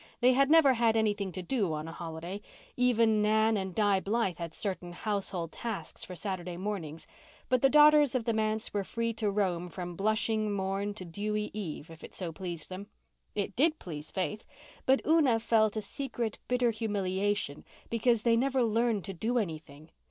They had never had anything to do on a holiday. Even Nan and Di Blythe had certain household tasks for Saturday mornings, but the daughters of the manse were free to roam from blushing morn to dewy eve if so it pleased them. It did please Faith, but Una felt a secret, bitter humiliation because they never learned to do anything.